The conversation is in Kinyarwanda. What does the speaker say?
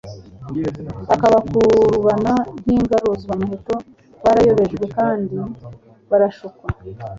akabakurubana nk'ingaruzwamuheto. Barayobejwe kandi barashukwa,